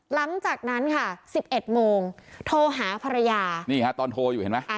หลังจากนั้นค่ะสิบเอ็ดโมงโทรหาภรรยานี่ฮะตอนโทรอยู่เห็นไหม